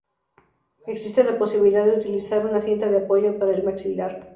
Existe la posibilidad de utilizar una cinta de apoyo para el maxilar.